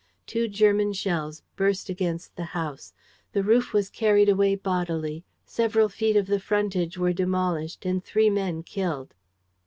Two German shells burst against the house. The roof was carried away bodily, several feet of the frontage were demolished and three men killed.